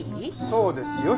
そうですよ